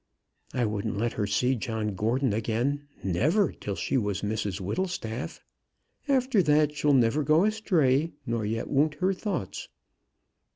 I wouldn't let her see John Gordon again, never, till she was Mrs Whittlestaff. After that she'll never go astray; nor yet won't her thoughts."